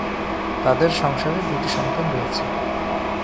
তাদের সংসারে দুটি সন্তান রয়েছে।